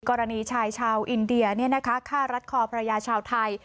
กรณีชายชาวอินเดียฆ่ารัดคอภรรยาชาวไทย